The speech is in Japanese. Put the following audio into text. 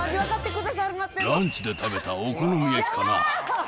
ランチで食べたお好み焼きかな。